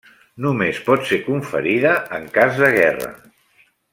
Només pot ser conferida en cas de guerra.